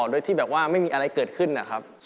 โดยที่แบบว่าไม่มีอะไรเกิดขึ้นนะครับ